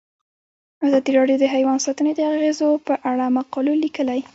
ازادي راډیو د حیوان ساتنه د اغیزو په اړه مقالو لیکلي.